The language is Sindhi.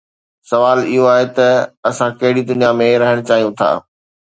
سوال اهو آهي ته اسان ڪهڙي دنيا ۾ رهڻ چاهيون ٿا؟